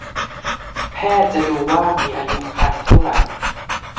แพทย์จะดูว่ามีอายุครรภ์เท่าไร